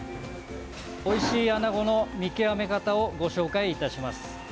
おいしいアナゴの見極め方をご紹介いたします。